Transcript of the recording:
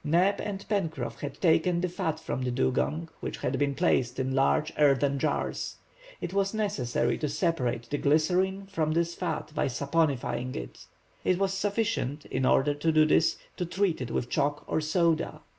Neb and Pencroff had taken the fat from the dugong, which had been placed in large earthen jars. It was necessary to separate the glycerine from this fat by saponifying it. It was sufficient, in order to do this, to treat it with chalk or soda.